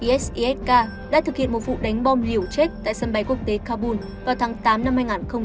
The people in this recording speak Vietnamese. isisk đã thực hiện một vụ đánh bom liều chết tại sân bay quốc tế kabul vào tháng tám năm hai nghìn hai mươi